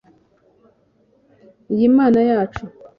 Iyi Mana yacu